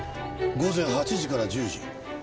午前８時から１０時？